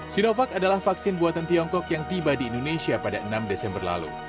sinovac adalah vaksin buatan tiongkok yang tiba di indonesia pada enam desember lalu